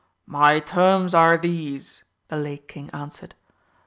"My terms are these," the Lake King answered.